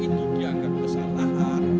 itu dianggap kesalahan